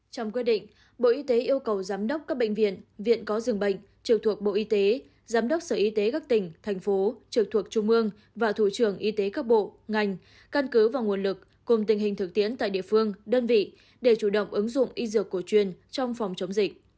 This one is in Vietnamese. trong quyết định bộ y tế yêu cầu giám đốc các bệnh viện viện có rừng bệnh trực thuộc bộ y tế giám đốc sở y tế các tỉnh thành phố trực thuộc trung ương và thủ trưởng y tế các bộ ngành căn cứ vào nguồn lực cùng tình hình thực tiễn tại địa phương đơn vị để chủ động ứng dụng y dược cổ truyền trong phòng chống dịch